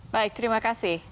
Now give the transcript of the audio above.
baik terima kasih